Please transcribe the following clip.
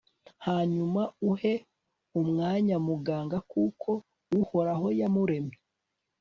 hanyuma uhe umwanya muganga kuko uhoraho yamuremye